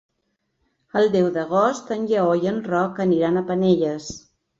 El deu d'agost en Lleó i en Roc aniran a Penelles.